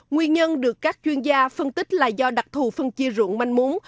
nguyên nhân được các chuyên gia phân tích là do đặc thù phân chia ruộng manh múng